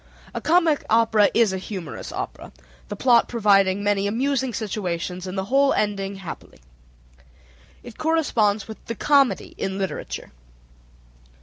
A comic opera is a humorous opera, the plot providing many amusing situations and the whole ending happily. It corresponds with the comedy in literature.